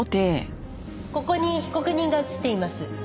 ここに被告人が映っています。